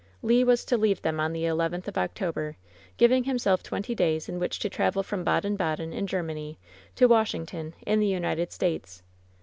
Le was to leave them on the eleventh of October, giving himself twenty days in which to travel from Baden Baden, in Oermany, to Washington, in the United States.